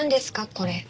これ。